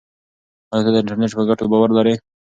ایا ته د انټرنیټ په ګټو باور لرې؟